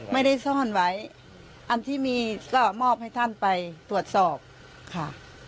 ไม่ได้ซ่อนไว้อันที่มีก็มอบให้ท่านไปตรวจสอบค่ะ